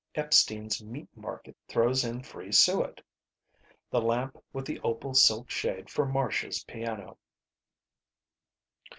Epstein's meat market throws in free suet. The lamp with the opal silk shade for Marcia's piano.